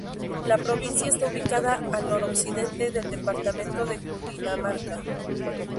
La provincia está ubicada al noroccidente del departamento de Cundinamarca.